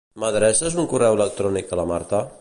M'adreces un correu electrònic a la Marta?